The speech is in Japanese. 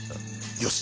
よし。